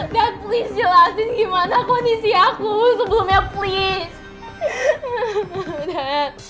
please jelasin gimana kondisi aku sebelumnya please